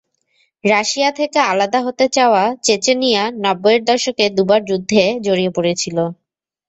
Russia থেকে আলাদা হতে চাওয়া চেচনিয়া নব্বইয়ের দশকে দুবার যুদ্ধে জড়িয়ে পড়েছিল।